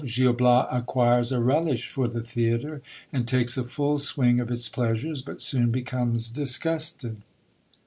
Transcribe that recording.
— Gil Bias acquires a relish for the theatre, and takes a full string of its pleasures, but soon becomes disgusted.